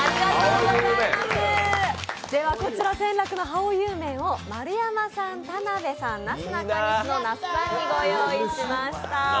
こちら、仙楽のハオユー麺を丸山さん、田辺さん、なすなかにしの那須さんにご用意しました。